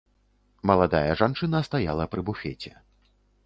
Маладая жанчына стаяла пры буфеце.